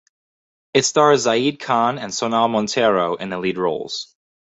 It stars Zaid Khan and Sonal Monteiro in the lead roles.